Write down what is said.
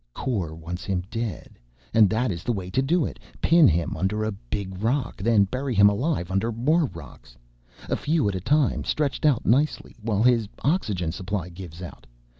Kor wants him dead, and that is the way to do it. Pin him under a big rock, then bury him alive under more rocks. A few at a time, stretched out nicely. While his oxygen supply gives out.